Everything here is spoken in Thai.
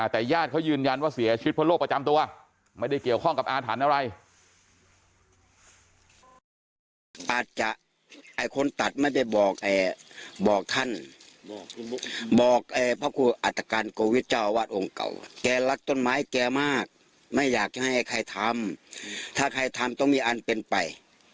แต่ญาติเขายืนยันว่าเสียชีวิตเพราะโรคประจำตัวไม่ได้เกี่ยวข้องกับอาถรรพ์อะไร